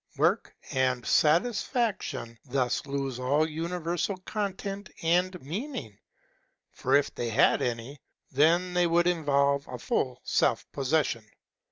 Work and satisfaction thus lose all universal content and meaning; for if they had any, then they would involve a full self possession.